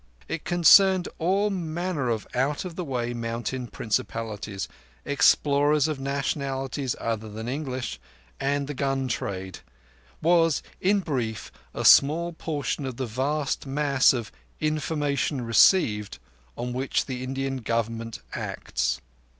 It concerned all manner of out of the way mountain principalities, explorers of nationalities other than English, and the guntrade—was, in brief, a small portion of that vast mass of "information received" on which the Indian Government acts.